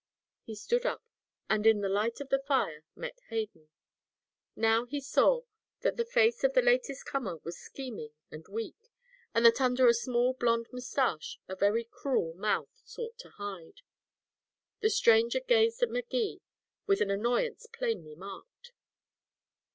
He stood up, and in the light of the fire met Hayden. Now he saw that the face of the latest comer was scheming and weak, and that under a small blond mustache a very cruel mouth sought to hide. The stranger gazed at Magee with an annoyance plainly marked.